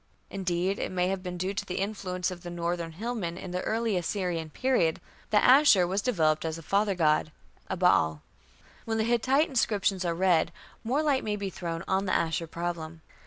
Indeed, it may have been due to the influence of the northern hillmen in the early Assyrian period, that Ashur was developed as a father god a Baal. When the Hittite inscriptions are read, more light may be thrown on the Ashur problem.